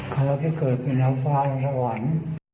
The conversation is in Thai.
ขอให้เกิดเป็นน้ำฟ้าทางสวรรค์